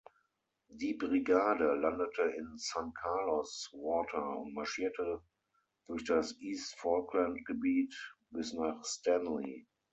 Die Brigade landete in San Carlos Water und marschierte durch das East Falkland-Gebiet bis nach Stanley.